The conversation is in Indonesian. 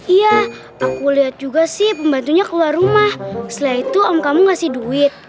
iya aku lihat juga sih pembantunya keluar rumah setelah itu om kamu ngasih duit